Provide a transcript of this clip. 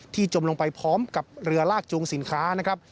จมลงไปพร้อมกับเรือลากจูงสินค้านะครับ